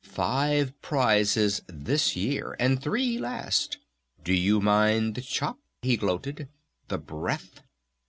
"Five prizes this year! And three last! Do you mind the chop?" he gloated. "The breadth!